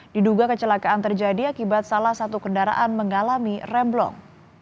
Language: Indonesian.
diduga kecelakaan terjadi akibat salah satu kendaraan mengalami remblong